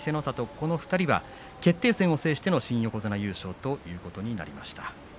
この２人は決定戦を制しての新横綱優勝となりました。